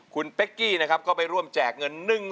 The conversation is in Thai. คุณเป๊กกี้นะครับก็ไปร่วมแจกเงิน